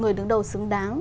người đứng đầu xứng đáng